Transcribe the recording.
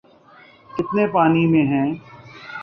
‘ کتنے پانی میں ہیں۔